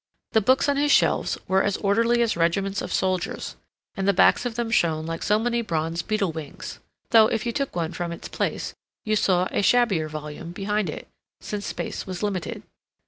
The books on his shelves were as orderly as regiments of soldiers, and the backs of them shone like so many bronze beetle wings; though, if you took one from its place you saw a shabbier volume behind it, since space was limited.